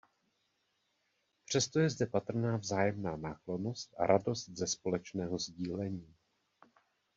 Přesto je zde patrná vzájemná náklonnost a radost ze společného sdílení.